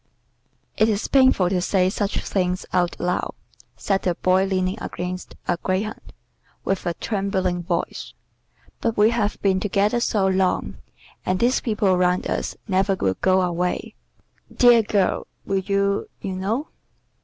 "It is painful to say such things out loud," said the Boy leaning against a greyhound, with a trembling voice, "but we have been together so long, and these people round us never will go away. Dear girl, will you? you know."